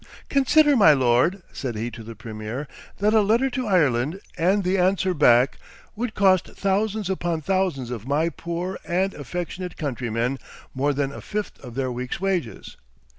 "Consider, my lord," said he to the premier, "that a letter to Ireland and the answer back would cost thousands upon thousands of my poor and affectionate countrymen more than a fifth of their week's wages.